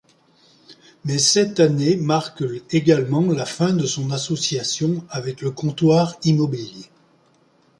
Mais cette année marque également la fin de son association avec Le Comptoir Immobilier.